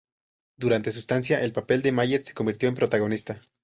Durante su estancia, el papel de Mallet se convirtió en protagonista.